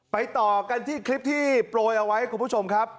ต่อกันที่คลิปที่โปรยเอาไว้คุณผู้ชมครับ